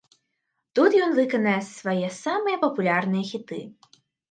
Тут ён выканае свае самыя папулярныя хіты.